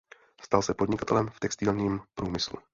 Stal se podnikatelem v textilním průmyslu.